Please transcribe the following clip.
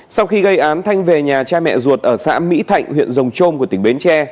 sau khi gây án thanh về nhà cha mẹ ruột ở xã mỹ thạnh huyện rồng trôm của tỉnh bến tre